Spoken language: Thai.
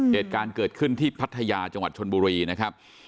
เหตุการณ์เกิดขึ้นที่พัทยาจังหวัดชนบุรีนะครับ